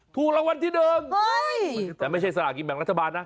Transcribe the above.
ถูกรางวัลที่หนึ่งแต่ไม่ใช่สลากินแบ่งรัฐบาลนะ